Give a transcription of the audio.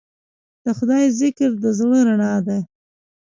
د خدای ذکر د زړه رڼا ده.